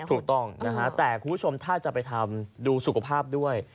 ถูกต้องนะฮะแต่คุณผู้ชมถ้าจะไปทำดูสุขภาพด้วย